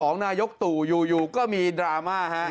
นายกตู่อยู่ก็มีดราม่าฮะ